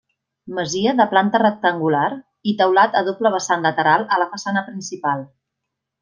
Masia de planta rectangular i teulat a doble vessant lateral a la façana principal.